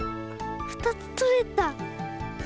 ２つとれた！